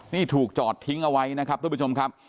นี่ถูกจอดทิ้งเอาไว้นะครับทุกผู้ชมครับ